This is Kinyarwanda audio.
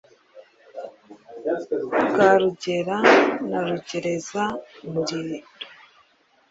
bwa rugera na rugereza-muriro.